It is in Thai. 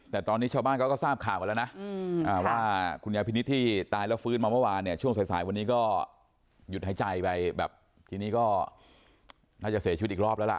แต่ตอนนี้ชาวบ้านเขาก็ทราบข่าวกันแล้วนะว่าคุณยายพินิษฐ์ที่ตายแล้วฟื้นมาเมื่อวานเนี่ยช่วงสายวันนี้ก็หยุดหายใจไปแบบทีนี้ก็น่าจะเสียชีวิตอีกรอบแล้วล่ะ